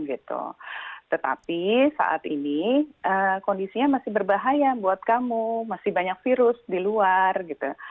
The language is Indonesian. gitu tetapi saat ini kondisinya masih berbahaya buat kamu masih banyak virus di luar gitu